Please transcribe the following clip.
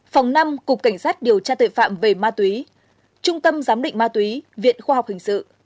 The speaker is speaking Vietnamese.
phòng năm cục cảnh sát điều tra tội phạm về ma túy trung tâm giám định ma túy viện khoa học hình sự